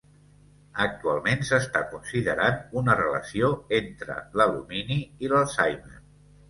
Actualment, s'està considerant una relació entre l'alumini i l'Alzheimer.